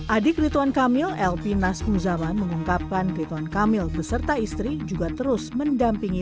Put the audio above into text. adik rituan kamil lp nas uzaman mengungkapkan rituan kamil beserta istri juga terus mendampingi